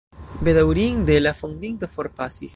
Bedaŭrinde, la fondinto forpasis.